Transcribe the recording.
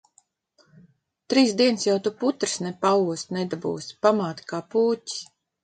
Trīs dienas jau tu putras ne paost nedabūsi. Pamāte kā pūķis.